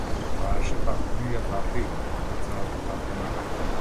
Бараше татко ми ја врати целата пратка назад.